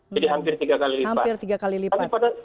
jadi hampir tiga kali lipat